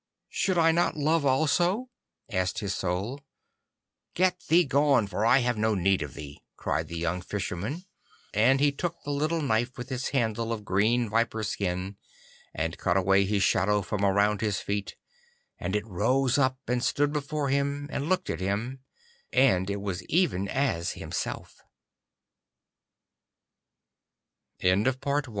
'Should I not love also?' asked his Soul. 'Get thee gone, for I have no need of thee,' cried the young Fisherman, and he took the little knife with its handle of green viper's skin, and cut away his shadow from around his feet, and it rose up and stood before him, and looked a